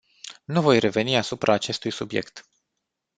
Nu voi reveni asupra acestui subiect.